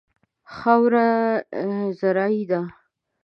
خاوره زرعي ده.